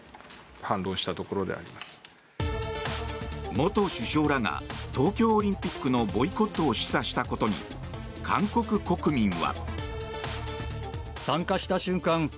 元首相らが東京オリンピックのボイコットを示唆したことに韓国国民は。